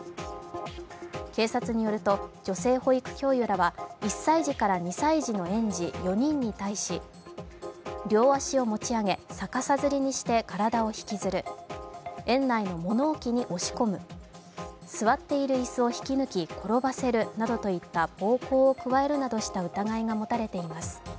警察によると女性保育教諭らは１歳児から２歳児の園児４人に対し、両足を持ち上げ、逆さづりにして体を引きずる、園内の物置に押し込む、座っているいすを引き抜き転ばせるなどといった暴行を加えるなどした疑いが持たれています。